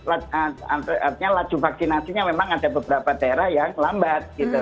artinya laju vaksinasinya memang ada beberapa daerah yang lambat gitu